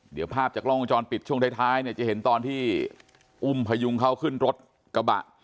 เดี๋ยวภาพจากกล้องวงจรปิดช่วงท้ายเนี่ยจะเห็นตอนที่อุ้มพยุงเขาขึ้นรถกระบะ